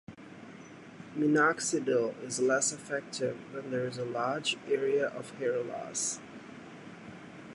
Minoxidil is less effective when there is a large area of hair loss.